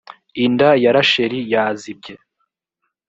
inda ya rasheli yazibye